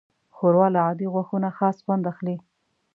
ښوروا له عادي غوښو نه خاص خوند اخلي.